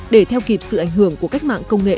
để theo kịp sự ảnh hưởng của cách mạng công nghệ